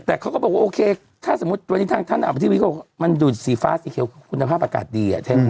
แต่เขาก็บอกว่าโอเคถ้าสมมุติวันนี้ท่านออกไปที่วิกัลมันดูสีฟ้าสีเขียวคุณภาพอากาศดีอ่ะ